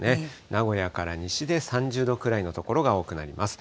名古屋から西で３０度くらいの所が多くなります。